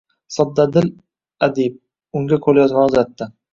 Soddadil adib, unga qo’lyozmani uzatdi.